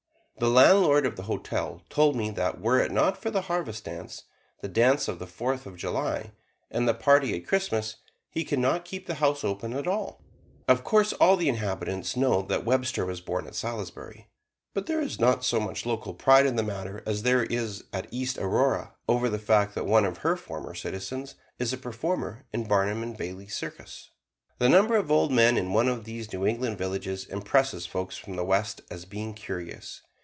The landlord of the hotel told me that were it not for the "Harvest Dance," the dance on the Fourth of July, and the party at Christmas, he could not keep the house open at all. Of course, all the inhabitants know that Webster was born at Salisbury, but there is not so much local pride in the matter as there is at East Aurora over the fact that one of her former citizens is a performer in Barnum and Bailey's Circus. The number of old men in one of these New England villages impresses folks from the West as being curious.